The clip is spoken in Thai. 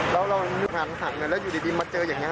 เรามันฝั่งหน่อยอยู่ดิดดี้มันเจอยังไง